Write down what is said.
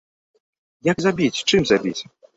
Як забіць, чым забіць?